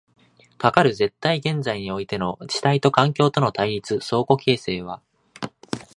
かかる絶対現在においての主体と環境との対立、相互形成は